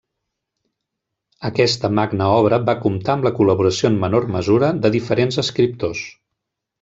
Aquesta magna obra va comptar amb la col·laboració en menor mesura de diferents escriptors.